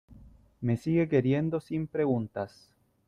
me sigue queriendo sin preguntas ,